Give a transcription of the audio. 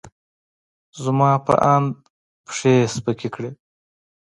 زما په اند، پښې یې سپکې کړې.